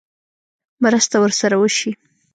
مرسته ورسره وشي.